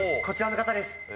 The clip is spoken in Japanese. こちらの方です。